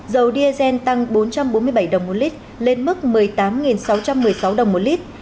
dầu diesel tăng bốn trăm bốn mươi bảy đồng một lít lên mức một mươi tám sáu trăm một mươi sáu đồng một lít